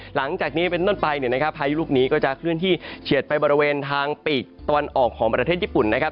หลังจากนี้เป็นต้นไปเนี่ยนะครับพายุลูกนี้ก็จะเคลื่อนที่เฉียดไปบริเวณทางปีกตะวันออกของประเทศญี่ปุ่นนะครับ